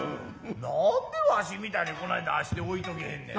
何でわしみたいにこない出して置いとけへんねや。